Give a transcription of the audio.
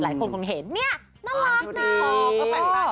หลายคนคงเห็นเนี่ยน่ารักน่ะ